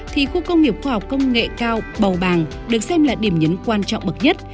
thì khu công nghiệp khoa học công nghệ cao bầu bàng được xem là điểm nhấn quan trọng bậc nhất